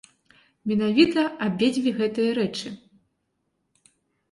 Менавіта абедзве гэтыя рэчы!